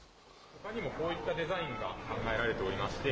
ほかにも、こういったデザインが考えられておりまして。